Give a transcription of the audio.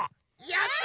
やった！